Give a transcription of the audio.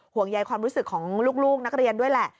ห่วงใยความรู้สึกของลูกนักเรียนด้วยแหละ